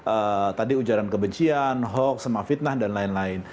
eee tadi ujaran kebencian hoax sama fitnah dan lain lain